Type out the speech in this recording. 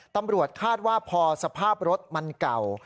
ตำรวจคาดว่าพอสภาพรถมันเก่า